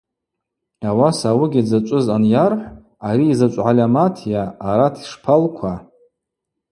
Ауаса ауыгьи дзачӏвыз анйархӏв –ари йзачӏв гӏальаматйа, арат шпалква.